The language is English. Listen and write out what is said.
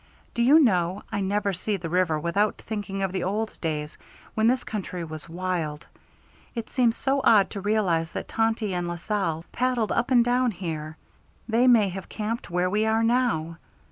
"Do you know, I never see the river without thinking of the old days when this country was wild. It seems so odd to realize that Tonty and La Salle paddled up and down here. They may have camped where we are now.